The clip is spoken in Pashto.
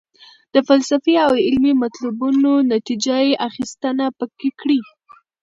د فلسفي او علمي مطلبونو نتیجه یې اخیستنه پکې کړې.